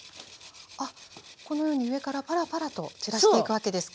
あっこのように上からパラパラと散らしていくわけですか。